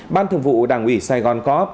ban thường vụ đảng ủy sài gòn co op